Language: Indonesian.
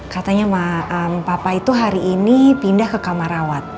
katanya papa itu hari ini pindah ke kamar rawat